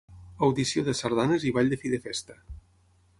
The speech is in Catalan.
Audició de sardanes i ball de fi de festa.